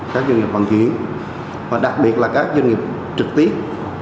các doanh nghiệp bằng chuyến và đặc biệt là các doanh nghiệp trực tiếp